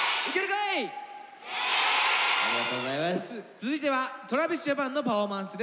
続いてはＴｒａｖｉｓＪａｐａｎのパフォーマンスです。